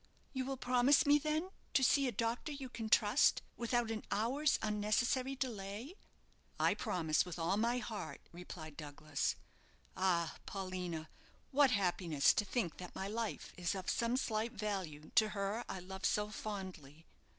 "You will promise me, then, to see a doctor you can trust, without an hour's unnecessary delay?" "I promise, with all my heart," replied Douglas. "Ah, Paulina, what happiness to think that my life is of some slight value to her I love so fondly!"